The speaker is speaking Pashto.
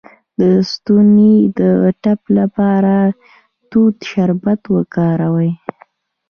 د ستوني د ټپ لپاره د توت شربت وکاروئ